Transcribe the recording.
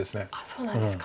そうなんですか。